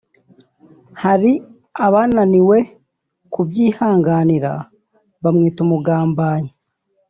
Hari abananiwe kubyihanganira bamwita umugambanyi